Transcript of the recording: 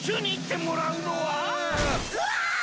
うわ！